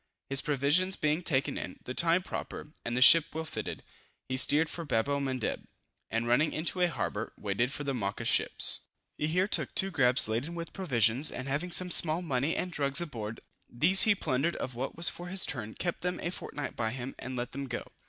His provisions being taken in, the time proper, and the ship well fitted, he steered for Babel Mandeb, and running into a harbor, waited for the Mocha ships. He here took two grabs laden with provisions, and having some small money and drugs aboard. These he plundered of what was for his turn, kept them a fortnight by him, and let them go.